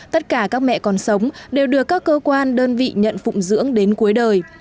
tất cả các mẹ còn sống đều được các cơ quan đơn vị nhận phụng dưỡng đến cuối đời